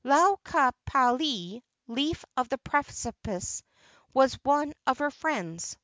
Lau ka pali (leaf of the precipice) was one of her friends.